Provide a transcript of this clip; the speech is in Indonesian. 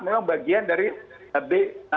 memang bagian dari b enam belas tujuh belas dua